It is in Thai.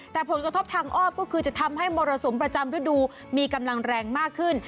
แต่ผลกระทบทางอ้อมก็คือจะทำให้มรสุมประจำฤดูมีกำลังแรงมากขึ้น